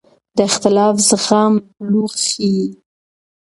د اختلاف زغم بلوغ ښيي